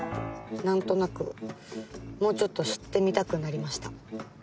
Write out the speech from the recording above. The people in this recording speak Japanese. なんとなくもうちょっと知ってみたくなりました。